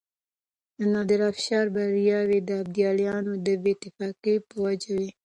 د نادرافشار برياوې د ابدالیانو د بې اتفاقۍ په وجه وې.